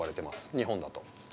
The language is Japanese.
日本だと。